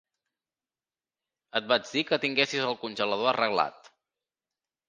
Et vaig dir que tinguessis el congelador arreglat.